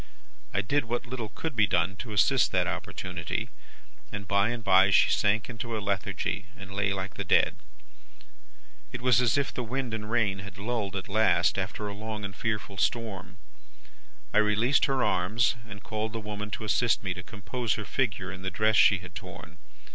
I did what little could be done to assist that opportunity, and by and bye she sank into a lethargy, and lay like the dead. "It was as if the wind and rain had lulled at last, after a long and fearful storm. I released her arms, and called the woman to assist me to compose her figure and the dress she had torn.